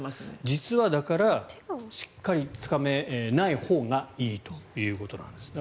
実は、だからしっかりつかめないほうがいいということなんですね。